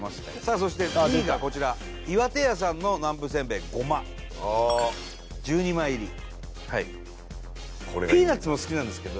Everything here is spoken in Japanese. そして２位がこちら巖手屋さんの南部せんべいごま１２枚入りピーナツも好きなんですけど